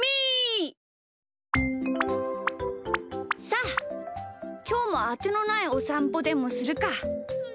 さあきょうもあてのないおさんぽでもするか。